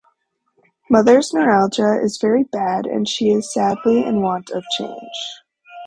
Mother's neuralgia is very bad, and she is sadly in want of change.